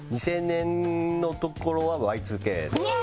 ２０００年のところは。